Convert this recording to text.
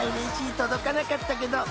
届かなかったけど］